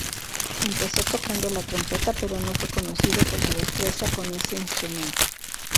Empezó tocando la trompeta, pero no fue conocido por su destreza con ese instrumento.